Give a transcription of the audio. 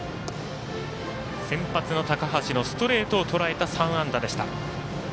先発の高橋のストレートをとらえた３安打でした。